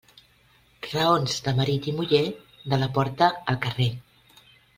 Raons de marit i muller, de la porta al carrer.